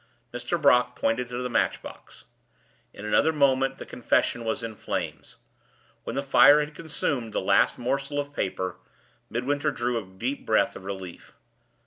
Mr. Brock pointed to the match box. In another moment the confession was in flames. When the fire had consumed the last morsel of paper, Midwinter drew a deep breath of relief.